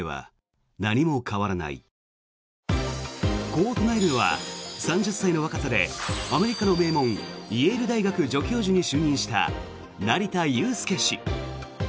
こう唱えるのは３０歳の若さでアメリカの名門イェール大学助教授に就任した成田悠輔氏。